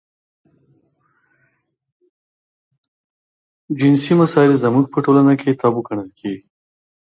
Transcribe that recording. جنسي مسایل زموږ په ټولنه کې تابو ګڼل کېږي.